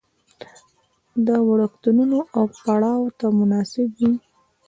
د وړکتونونو او پړاو ته مناسب وي.